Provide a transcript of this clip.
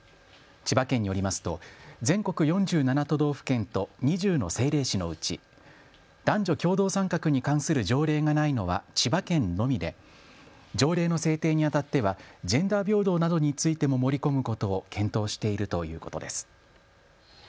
千葉県によりますと全国４７都道府県と２０の政令市のうち、男女共同参画に関する条例がないのは千葉県のみで条例の制定にあたってはジェンダー平等などについても盛り込むことを検討しているということです。